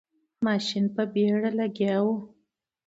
ماشین په بیړه لګیا و.